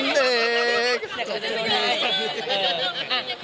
เด็กแต่ไม่รู้ได้